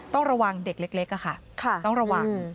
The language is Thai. ต้องระวังเด็กเล็กค่ะต้องระวัง